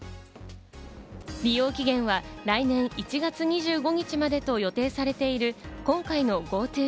利用期限は来年１月２５日までと予定されている今回のＧｏＴｏＥａｔ。